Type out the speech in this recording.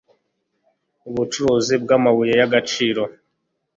ubucuruzi bw'amabuye y'agaciro